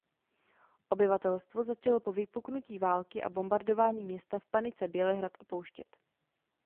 Obyvatelstvo začalo po vypuknutí války a bombardování města v panice Bělehrad opouštět.